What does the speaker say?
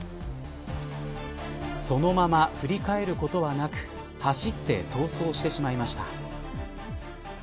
そのまま振り返ることはなく走って逃走してしまいました。